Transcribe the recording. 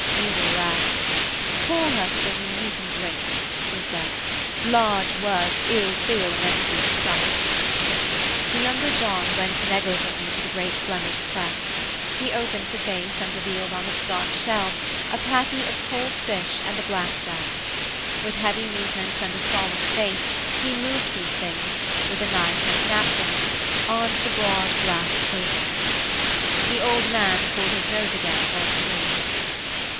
Udal laughed. 'Call her to bring me meat and drink,' he said. 'Large words ill fill an empty stomach.' The younger John went negligently to the great Flemish press. He opened the face and revealed on its dark shelves a patty of cold fish and a black jack. With heavy movements and a solemn face he moved these things, with a knife and napkins, on to the broad black table. The old man pulled his nose again and grinned.